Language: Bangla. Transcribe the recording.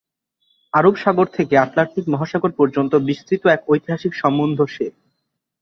আরব সাগর থেকে আটলান্টিক মহাসাগর পর্যন্ত বিস্তৃত এক ঐতিহাসিক সম্বন্ধ সে!